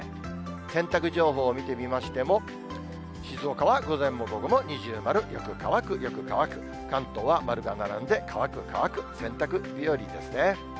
洗濯情報を見てみましても、静岡は午前も午後も二重丸、よく乾く、よく乾く、関東は丸が並んで乾く、乾く、洗濯日和ですね。